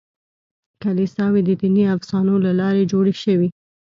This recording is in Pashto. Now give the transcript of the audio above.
کلیساوې د دیني افسانو له لارې جوړې شوې.